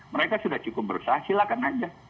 mereka sudah cukup berusaha silakan aja